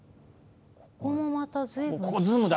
ここも、また随分。